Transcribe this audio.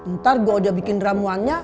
ntar gue udah bikin ramuannya